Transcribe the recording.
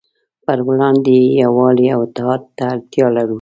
پروړاندې یې يووالي او اتحاد ته اړتیا لرو.